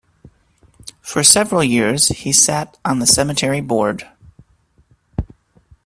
For several years, he sat on the cemetery board.